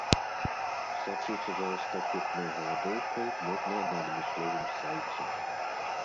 Сачыць за эстафетнай галадоўкай можна на адмысловым сайце